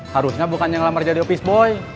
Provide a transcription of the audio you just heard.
harusnya bukan yang lama jadi office boy